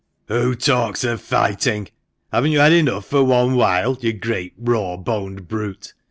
"Who talks of fighting? Haven't you had enough for one while, you great raw boned brute?